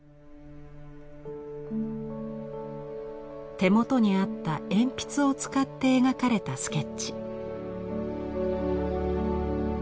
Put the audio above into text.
手元にあった鉛筆を使って描かれたスケッチ。